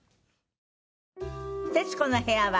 『徹子の部屋』は